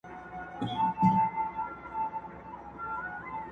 ما یي سرونه تر عزت جارول!.